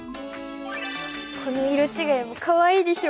この色ちがいもかわいいでしょ？